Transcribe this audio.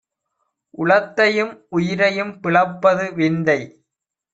உளத்தையும் உயிரையும் பிளப்பது விந்தை!